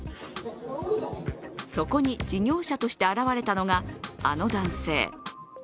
そこに事業者として現れたのがあの男性。